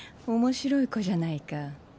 面白い子じゃないか。